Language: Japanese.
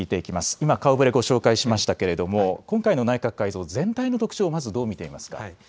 今顔ぶれ、ご紹介しましたけれど今回の内閣改造全体の特徴、どう見ていますか。